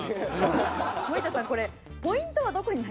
森田さんこれポイントはどこになりますか？